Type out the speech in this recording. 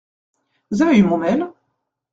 Vous avez eu mon mail ?